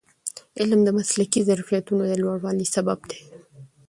علم د مسلکي ظرفیتونو د لوړوالي سبب دی.